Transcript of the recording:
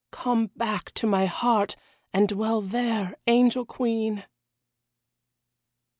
Come back to my heart, and dwell there, Angel Queen!"